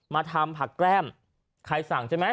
มาทำผักแก้มใครสั่งใช่ไหม